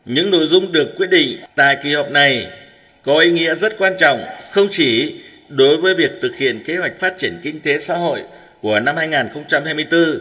những nội dung được quyết định tại kỳ họp này có ý nghĩa rất quan trọng không chỉ đối với việc thực hiện kế hoạch phát triển kinh tế xã hội của năm hai nghìn hai mươi bốn